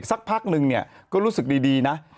สักพักหนึ่งก็รู้สึกดีนะ